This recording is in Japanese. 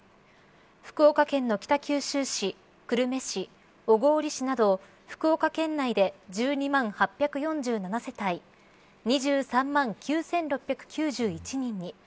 福岡県の北九州市久留米市、小郡市など福岡県内で１２万８４７世帯２３万９６９１人に。